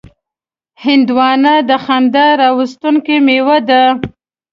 هندوانه د خندا راوستونکې میوه ده.